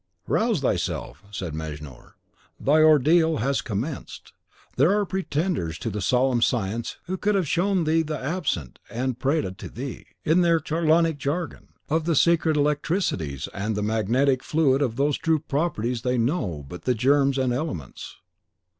"Rouse thyself," said Mejnour; "thy ordeal has commenced! There are pretenders to the solemn science who could have shown thee the absent, and prated to thee, in their charlatanic jargon, of the secret electricities and the magnetic fluid of whose true properties they know but the germs and elements.